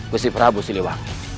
kepada prabu siliwangi